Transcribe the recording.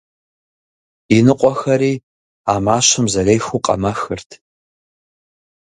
Иныкъуэхэри а мащэм зэрехыу къэмэхырт.